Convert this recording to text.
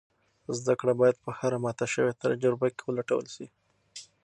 زده کړه باید په هره ماته شوې تجربه کې ولټول شي.